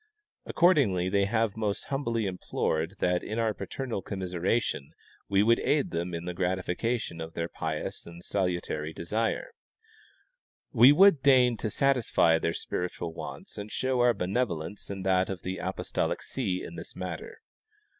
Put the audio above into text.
Accordingly they have most humbly implored that in our paternal commiseration we would aid them in the gratifica tion of their pious and salutary desire ; that we would deign to satisfy their spiritual wants and show our benevolence and that of the apostolic see in this matter.